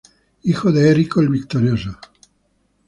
Hijo de Erico el Victorioso.